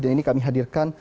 dan ini kami hadirkan